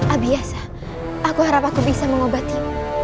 abiasa aku harap aku bisa mengobati